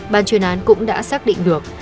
ban chuyên án cũng đã xác định được